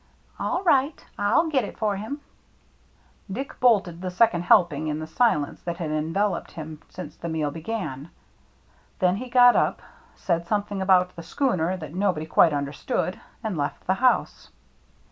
"All right, I'll get it for him." Dick bolted the second helping in the silence that had enveloped him since the meal began. Then he got up, said something about the schooner that nobody quite understood, and left the house.